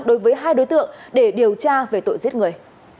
đối với hai đối tượng để điều tra về tội giết người